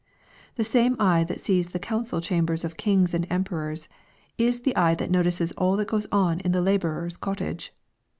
The same eye that sees the council chambers of kings and emperors, is the eye that notices all that goes on in the laborer's cottage.